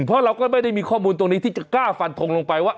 เพราะเราก็ไม่ได้มีข้อมูลตรงนี้ที่จะกล้าฟันทงลงไปว่า